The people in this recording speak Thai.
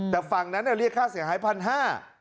แต่ฝั่งนั้นเรียกค่าเสียหายพันห้า